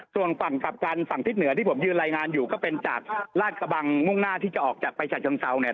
ส่วนฝั่งกลับกันฝั่งทิศเหนือที่ผมยืนรายงานอยู่ก็เป็นจากลาดกระบังมุ่งหน้าที่จะออกจากไปฉะเชิงเซาเนี่ย